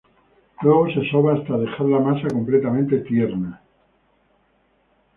Luego se soba hasta dejar la masa completamente tierna.